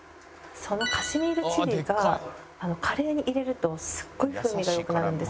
そのカシミールチリがカレーに入れるとすごい風味が良くなるんですね。